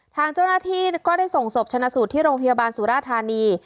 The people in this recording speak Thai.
ทางเจ้าหน้าที่ก็ได้ส่งศพชนะสูตรที่โรงพยาบาลสุราธานี